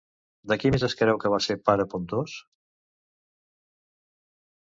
De qui més es creu que va ser pare, Pontos?